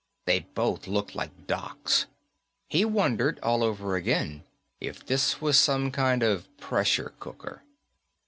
They both looked like docs. He wondered, all over again, if this was some kind of pressure cooker.